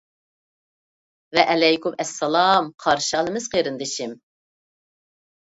ۋەئەلەيكۇم ئەسسالام قارشى ئالىمىز قېرىندىشىم.